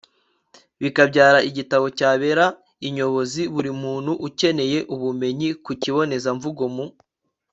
bikabyara igitabo cyabera inyobozi buri muntu ukeneye ubumenyi ku kibonezamvugo mu